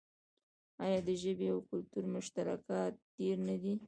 آیا د ژبې او کلتور مشترکات ډیر نه دي؟